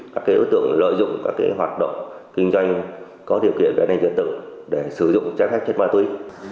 cũng có các đối tượng có hành vi vận chuyển mua bán chép phép ma túy